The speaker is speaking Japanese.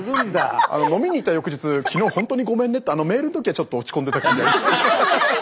飲みに行った翌日「きのうホントにごめんね」ってあのメールの時はちょっと落ち込んでた感じが。